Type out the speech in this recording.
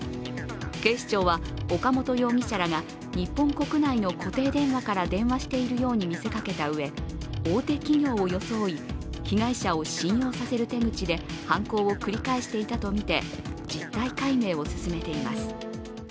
警視庁は岡本容疑者らが日本国内の固定電話から電話しているように見せかけたうえ、大手企業を装い被害者を信用させる手口で犯行を繰り返していたとみて実態解明を進めています。